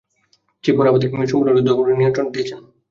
Chief Moore আমাদের সম্পুর্ণ যুদ্ধকৌশলের নিয়ন্ত্রন দিয়েছেন।